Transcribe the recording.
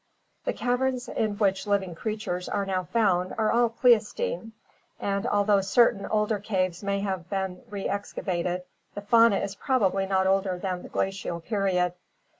The caverns in which living creatures are now found are all Pleis tocene and although certain older caves may have been reexcavated the fauna is probably not older than the Glacial period.